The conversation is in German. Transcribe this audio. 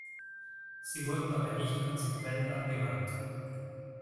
Sie wurden aber nicht konsequent angewandt.